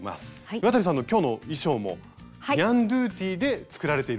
岩谷さんの今日の衣装もニャンドゥティで作られているんですよね。